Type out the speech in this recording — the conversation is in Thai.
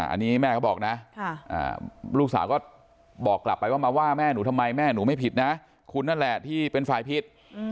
อันนี้แม่เขาบอกนะลูกสาวก็บอกกลับไปว่ามาว่าแม่หนูทำไมแม่หนูไม่ผิดนะคุณนั่นแหละที่เป็นฝ่ายผิด